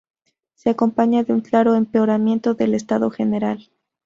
Se acompaña de un claro empeoramiento del estado general.